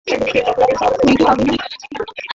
তুমি কি পাগল হয়ে গেলে নাকি মামা?